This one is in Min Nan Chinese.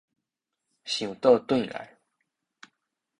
想倒轉來